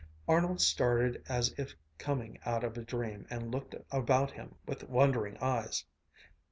Arnold started as if coming out of a dream and looked about him with wondering eyes.